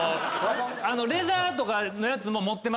レザーとかのやつも持ってます。